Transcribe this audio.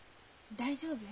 大丈夫？